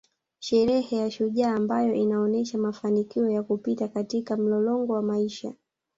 Sherehe ya shujaa ambayo inaonesha mafanikio ya kupita katika mlolongo wa maisha